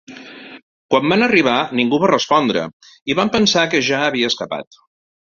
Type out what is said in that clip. Quan van arribar ningú va respondre i van pensar que ja havia escapat.